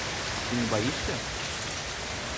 Ты не боишься?